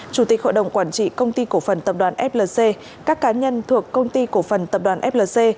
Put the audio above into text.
chủ tịch hội đồng quản trị công ty cổ phần tập đoàn flc các cá nhân thuộc công ty cổ phần tập đoàn flc